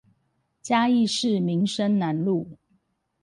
嘉義市民生南路